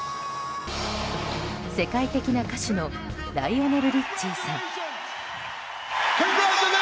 世界的な歌手のライオネル・リッチーさん。